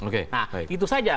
nah itu saja